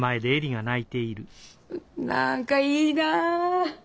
何かいいなあ！